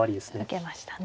受けましたね。